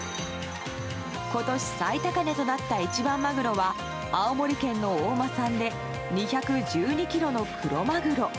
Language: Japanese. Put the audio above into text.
今年最高値となった一番マグロは青森県の大間産で２１２ｋｇのクロマグロ。